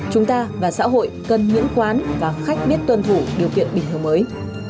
chúng ta và xã hội cần những quán và khách biết tuân thủ điều kiện bình thường mới